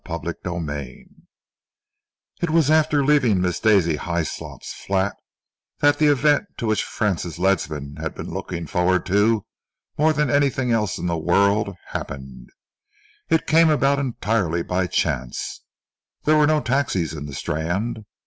CHAPTER XII It was after leaving Miss Daisy Hyslop's flat that the event to which Francis Ledsam had been looking forward more than anything else in the world, happened. It came about entirely by chance. There were no taxis in the Strand.